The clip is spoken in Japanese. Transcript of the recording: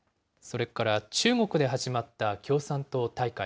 それから中国で始まった共産党大会。